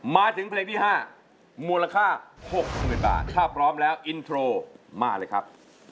มาถึงเพลงที่๕มูลค่า๖๐๐๐บาทถ้าพร้อมแล้วอินโทรมาเลยครับ